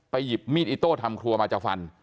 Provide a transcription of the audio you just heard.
หยิบมีดอิโต้ทำครัวมาจะฟัน